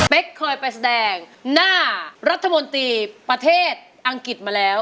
เคยไปแสดงหน้ารัฐมนตรีประเทศอังกฤษมาแล้ว